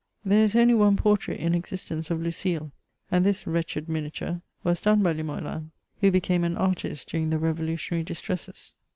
There is only one portrait in existence of Lucile, and this wretched miniature was done by Limoelan, who became an artist during the revolutionary distresses.